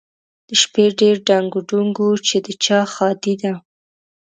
د شپې ډېر ډنګ ډونګ و چې د چا ښادي ده؟